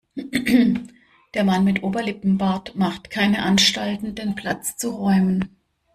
Der Mann mit Oberlippenbart macht keine Anstalten, den Platz zu räumen.